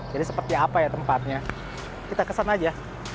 jadi seperti apa ya tempatnya kita kesan aja